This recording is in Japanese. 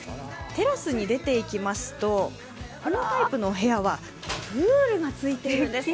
テラスに出ていきますと、このタイプのお部屋はプールがついているんです。